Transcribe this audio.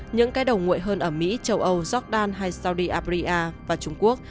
những cái đầu nguội hơn ở mỹ châu âu jordan hay saudi abria và trung quốc